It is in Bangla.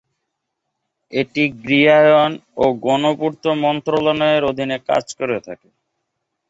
এটি গৃহায়ন ও গণপূর্ত মন্ত্রণালয়ের অধীনে কাজ করে থাকে।